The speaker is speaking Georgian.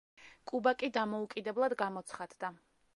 კუბა კი დამოუკიდებლად გამოცხადდა.